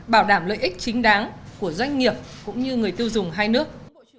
bảo đảm lợi ích chính đáng của doanh nghiệp cũng như người tiêu dùng hai nước